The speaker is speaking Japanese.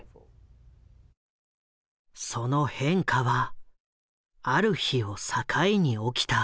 その変化はある日を境に起きた。